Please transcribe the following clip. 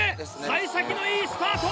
幸先のいいスタート！